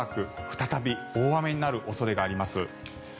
再び大雨になる恐れがあります。